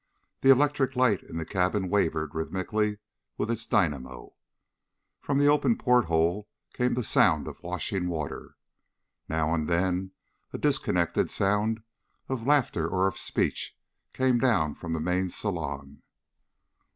The electric light in the cabin wavered rhythmically with its dynamo. From the open porthole came the sound of washing water. Now and then a disconnected sound of laughter or of speech came down from the main saloon.